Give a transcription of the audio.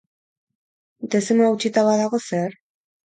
Dezimoa hautsita badago, zer?